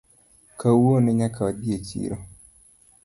Kawuono nyaka wadhi e chiro